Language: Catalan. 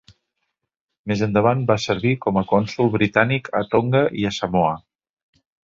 Més endavant va servir com a cònsol britànic a Tonga i a Samoa.